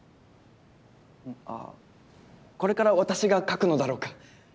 あぁこれから私が書くのだろうか？